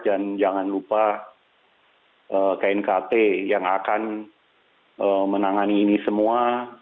dan jangan lupa knkt yang akan menangani ini semua